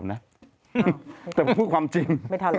อ้าวไม่ทันแล้วแต่ผมพูดความจริง